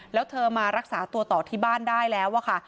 แล้วเธอมารักษาตัวต่อที่บ้านได้แล้วอะค่ะ